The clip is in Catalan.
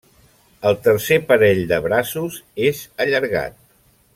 El tercer parell de braços és allargat.